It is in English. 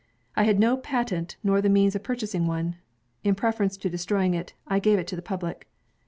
I had no patent nor the means of purchasing one. In preference to destroying it, I gave it to the public."